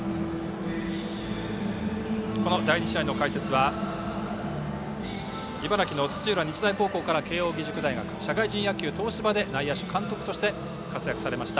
第２試合の解説は茨城の土浦日大高校から慶応義塾大学社会人野球、東芝で内野手、監督として活躍されました